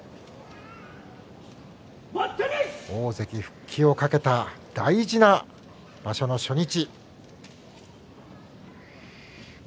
大関復帰を懸けた大事な場所の初日。